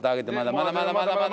まだまだまだまだ。